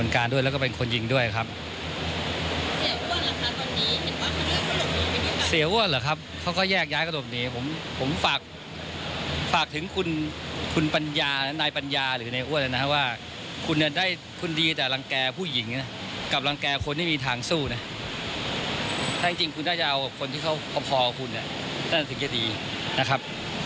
ถ้าจริงคุณได้จะเอาคนที่เขาพอคุณนั่นคือเยอะดีนะครับ